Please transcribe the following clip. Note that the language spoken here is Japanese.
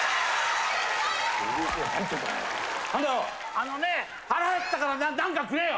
あのね腹減ったから何かくれよ。